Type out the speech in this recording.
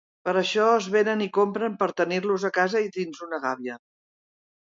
Per això es venen i compren per tenir-los a casa dins una gàbia.